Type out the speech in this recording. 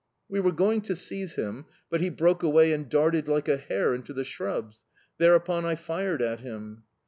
We were going to seize him, but he broke away and darted like a hare into the shrubs. Thereupon I fired at him."